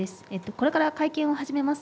これから会見を始めます。